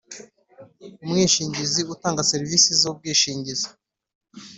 umwishingizi utanga serivisi z ubwishingizi